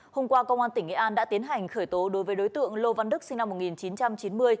hôm qua công an tỉnh nghệ an đã tiến hành khởi tố đối với đối tượng lô văn đức sinh năm một nghìn chín trăm chín mươi